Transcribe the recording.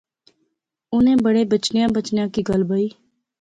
انیں بڑے بچنیاں بچنیاں کی گل بائی